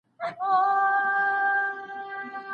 موسیقي واورئ او ارام سئ.